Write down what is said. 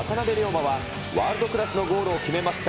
磨は、ワールドクラスのゴールを決めました。